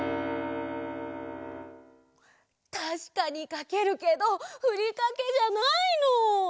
たしかにかけるけどふりかけじゃないの！